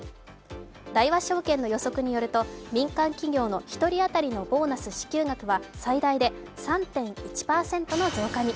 大和証券の予測によると民間企業の１人当たりのボーナス支給額は最大で３．１％増加に。